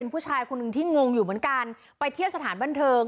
ผู้ชายคนหนึ่งที่งงอยู่เหมือนกันไปเที่ยวสถานบันเทิง